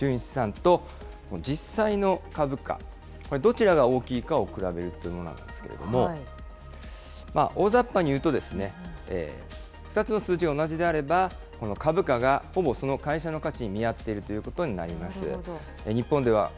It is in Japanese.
つまり１株当たりの純資産と実際の株価、どちらが大きいかを比べるものなんですけれども、まあ、おおざっぱに言うと２つの数字が同じであれば、この株価がほぼその会社の価値に見合っているということになります。